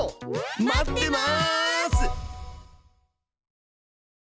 待ってます！